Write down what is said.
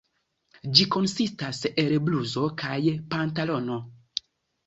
Ĝi konsistas el bluzo kaj pantalono.